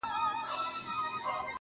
زه لاس په سلام سترگي راواړوه.